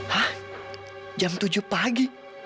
hah jam tujuh pagi